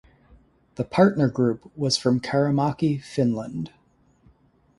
The partner group was from Kerimaki, Finland.